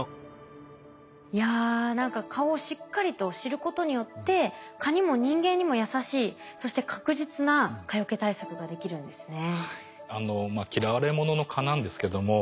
いや何か蚊をしっかりと知ることによって蚊にも人間にも優しいそして確実な蚊よけ対策ができるんですね。